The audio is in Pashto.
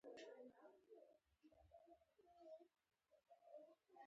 اخيستونکی: دا پوستین په زر افغانۍ نه ارزي؛ کس ډبره درباندې اېښې ده.